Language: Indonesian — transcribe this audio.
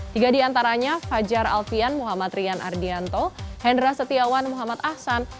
tiga diantaranya fajar alfian muhammad rian ardianto hendra setiawan muhammad ahsan